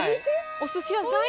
お寿司屋さんやん。